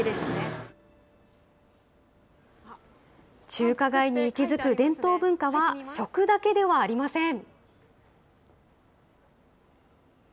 中華街に息づく伝統文化は食だけではありません。